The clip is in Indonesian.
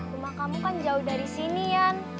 rumah kamu kan jauh dari sini yan